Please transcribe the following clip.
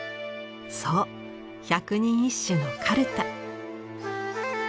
そう百人一首のカルタ。